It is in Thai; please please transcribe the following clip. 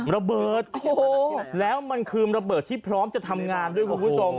ระเบิดโอ้โหแล้วมันคือระเบิดที่พร้อมจะทำงานด้วยคุณผู้ชม